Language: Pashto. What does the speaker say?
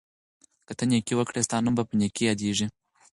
که ته نېکي وکړې، ستا نوم به په نېکۍ یادیږي.